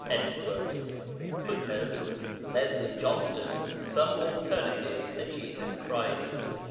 [Footnote: Leslie Johnston, Some Alternatives to Jesus Christ, p.